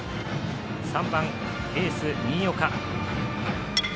３番、エース新岡。